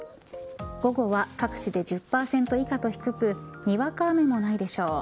午後は各地で１０％以下と低くにわか雨もないでしょう。